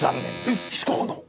えっ違うの？